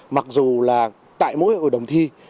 mặc dù là tại mỗi hội đồng thi